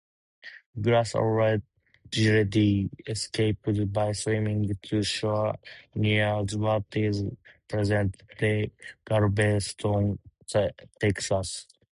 Glass allegedly escaped by swimming to shore near what is present-day Galveston, Texas.